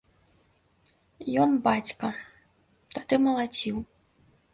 Ён, бацька, тады малаціў.